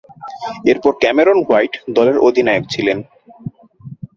এরপর Cameron White দলের অধিনায়ক ছিলেন।